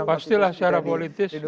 pastilah secara politis